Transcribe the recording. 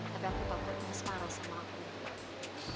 tapi aku takut mas marah sama aku